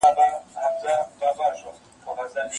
ته به ژاړې پر عمل به یې پښېمانه